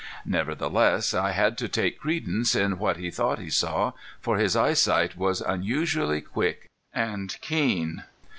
Nevertheless, I had to take credence in what he thought he saw, for his eyesight was unusually quick and keen.